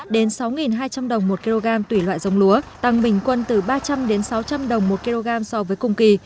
đến sáu hai trăm linh đồng một kg tùy loại giống lúa tăng bình quân từ ba trăm linh đến sáu trăm linh đồng một kg so với cùng kỳ